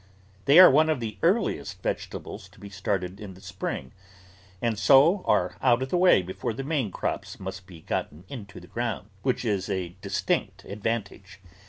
[ 153 ] THE VEGETABLE GARDEN They are one of the earhest vegetables to be started in spring, and so are out of the way before the main crops must be gotten into the ground, which is a distinct advantage.